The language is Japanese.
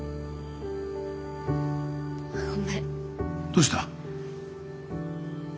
どうした？